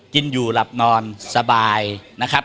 กินอยู่หลับนอนสบายนะครับ